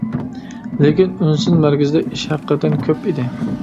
لېكىن ئۈن سىن مەركىزىدە ئىش ھەقىقەتەن كۆپ ئىدى.